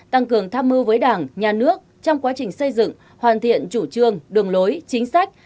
tăng cường tham mưu với đảng nhà nước trong quá trình xây dựng hoàn thiện chủ trương đường lối chính sách